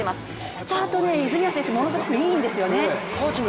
スタート、泉谷選手、ものすごくいいんですよね。